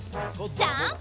ジャンプ！